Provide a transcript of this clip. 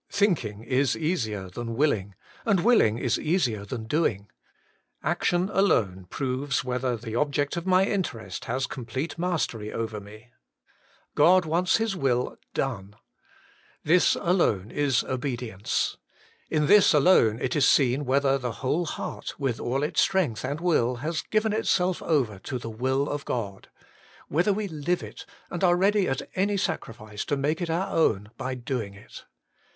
Think ing is easier than willing, and willing is easier than doing. Action alone proves whether the object of my interest has complete mastery over me. God wants His will done. This alone is obedience. In this alone it is seen whether the whole heart, with all its strength and will, has given itself over to the will of God ; whether we live it, and are ready at any sacrifice to make it our own by doing it.